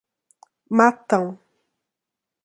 Matão